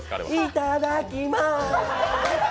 いただきます。